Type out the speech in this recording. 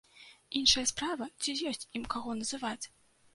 Іншая справа, ці ёсць ім каго называць?